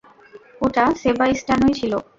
ওটা সেবাস্টিয়ানই ছিল?